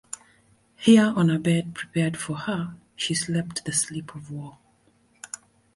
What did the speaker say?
Here, on a bed prepared for her, she slept the sleep of war.